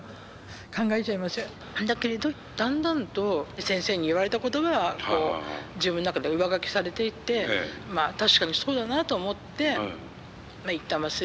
だけれどだんだんと先生に言われた言葉が自分の中で上書きされていってまあ確かにそうだなと思って一旦忘れることにして。